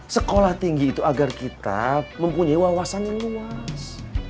sekolah tinggi itu agar kita mempunyai wawasan yang luas